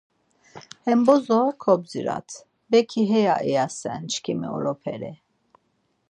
Hem bozo kobdzirat, beki heya ivasen çkimi oroperi.